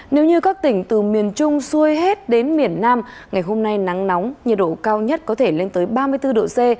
nếu như các tỉnh từ miền trung xuôi hết đến miền nam ngày hôm nay nắng nóng nhiệt độ cao nhất có thể lên tới ba mươi bốn độ c